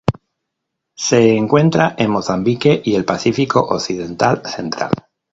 Se encuentra en Mozambique y el Pacífico occidental central.